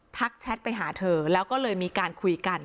แชทไปหาเธอแล้วก็เลยมีการคุยกัน